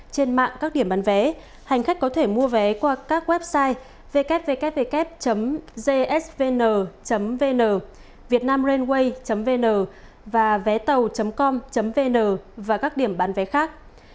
trên mạng các điểm bán vé hành khách có thể mua vé qua các website www jsvn vn vietnamrainway vn vétàu com vn và các điểm bán vé khác